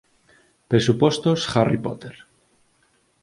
Presupostos Harry Potter